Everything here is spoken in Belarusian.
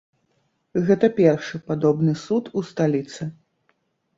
Гэта першы падобны суд у сталіцы.